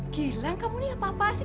gilang kamu ini apa apa sih